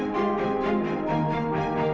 jadi gue rela akan